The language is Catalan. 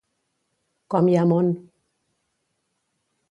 Com hi ha món.